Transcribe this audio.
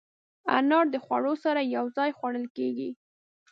انار د خوړو سره یو ځای خوړل کېږي.